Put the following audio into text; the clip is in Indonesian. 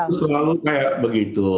itu selalu kayak begitu